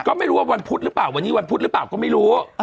ก็ไม่รู้ว่าวันพุธหรือเปล่าวันนี้วันพุธหรือเปล่าก็ไม่รู้